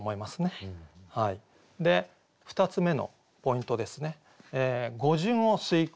２つ目のポイントですね